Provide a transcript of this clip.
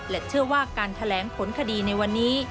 เชื่อว่าการแถลงผลคดีในวันนี้